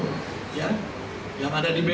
berisikan obnum obnum dari siapapun